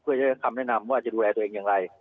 คำแนะนำว่าจะดูแลตัวเองอย่างไร